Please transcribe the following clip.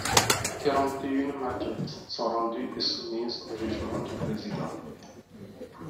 Quarante-et-une maquettes sont rendues et soumises au jugement du président.